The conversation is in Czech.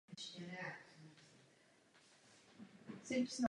Jeho zakladateli byla skupina Židů z Argentiny.